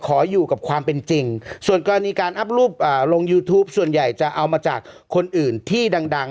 ขออยู่กับความเป็นจริงส่วนกรณีการอัพรูปลงยูทูปส่วนใหญ่จะเอามาจากคนอื่นที่ดัง